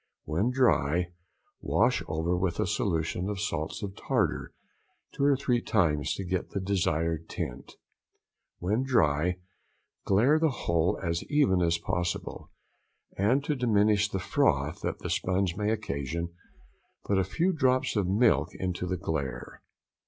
When dry, wash over with a solution of salts of tartar two or three times to get the desired tint. When dry, glaire the whole as even as possible, and to diminish the froth that the sponge may |105| occasion, put a few drops of milk into the glaire.